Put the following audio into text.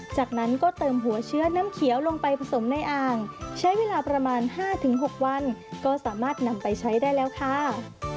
จากนั้นก็เติมหัวเชื้อน้ำเขียวลงไปผสมในอ่างใช้เวลาประมาณ๕๖วันก็สามารถนำไปใช้ได้แล้วค่ะ